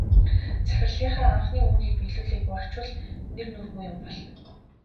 Захирлынхаа анхны үүрийг биелүүлэлгүй очвол нэр нүүргүй юм болно.